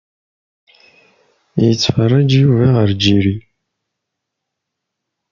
Ittfeṛṛiǧ Yuba & Jerry.